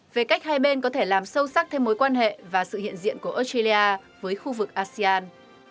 về cách hai bên có thể làm sâu sắc thêm mối quan hệ và sự hiện diện của australia với khu vực asean